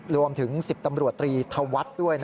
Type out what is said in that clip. รวมถึง๑๐ตำรวจตรีธวัฒน์ด้วย